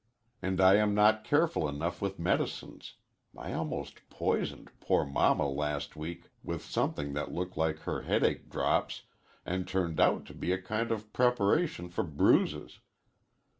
And I am not careful enough with medicines I almost poisoned poor Mamma last week with something that looked like her headache drops and turned out to be a kind of preparation for bruises.